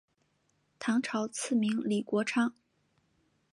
唐朝赐名李国昌。